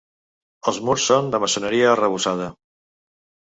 Els murs són de maçoneria arrebossada.